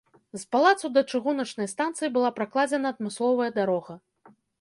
З палацу да чыгуначнай станцыі была пракладзена адмысловая дарога.